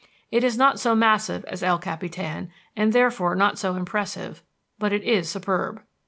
It is not so massive as El Capitan, and therefore not so impressive; but it is superb.